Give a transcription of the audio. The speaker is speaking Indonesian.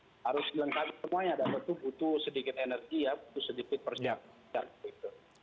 harus dilengkapi semuanya dan tentu butuh sedikit energi ya butuh sedikit persiapan gitu